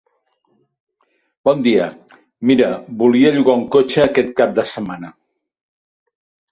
Bon dia, mira volia llogar un cotxe aquest cap de setmana.